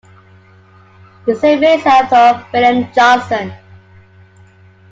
The same may said of William Johnson.